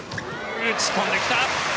打ち込んできた。